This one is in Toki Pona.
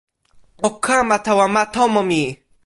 o kama tawa ma tomo mi.